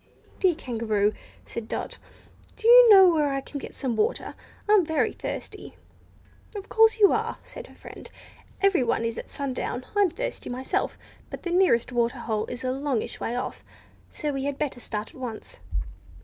"Dear Kangaroo," said Dot, "do you know where I can get some water? I'm very thirsty!" "Of course you are," said her friend; "everyone is at sundown. I'm thirsty myself. But the nearest water hole is a longish way off, so we had better start at once."